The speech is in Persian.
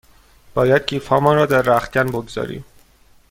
باید کیف هامان را در رختکن بگذاریم.